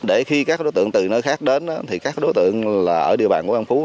để khi các đối tượng từ nơi khác đến các đối tượng ở địa bàn huyện an phú